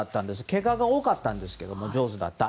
けがが多かったんですけど上手だった。